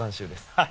はい。